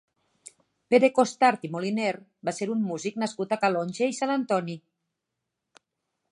Pere Costart i Moliner va ser un músic nascut a Calonge i Sant Antoni.